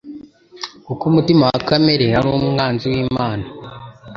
“Kuko umutima wa kamere ari umwanzi w’Imana,